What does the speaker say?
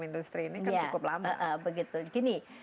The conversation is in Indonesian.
industri ini kan cukup lama